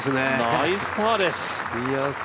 ナイスパーです。